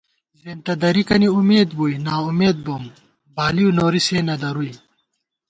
زېنتہ درِکَنی اُمید بُوئی، نا امید بوم، بالِؤ نوری سےنہ دَرُوئی